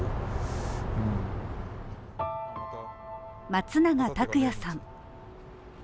松永拓也さん